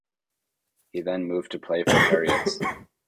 He then moved to play for Heriots.